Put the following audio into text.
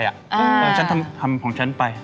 เราทำของฉันไป